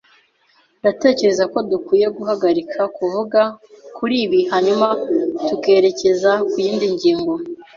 Ndatekereza ko dukwiye guhagarika kuvuga kuri ibi hanyuma tukerekeza ku yindi ngingo.